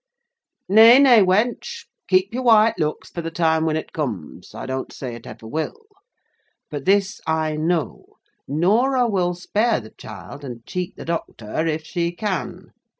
Nay, nay, wench! keep your white looks for the time when it comes—I don't say it ever will. But this I know, Norah will spare the child and cheat the doctor if she can.